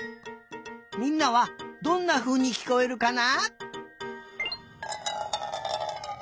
みんなはどんなふうにきこえるかな？